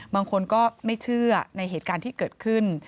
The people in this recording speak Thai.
บางคนก็ไม่เชื่อในเหตุการณ์ที่เกิดขึ้น